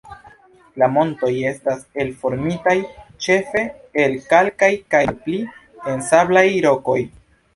La montoj estas elformitaj ĉefe el kalkaj kaj malpli el sablaj rokoj.